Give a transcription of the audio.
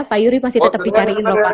pak yuri masih tetap dicariin bapak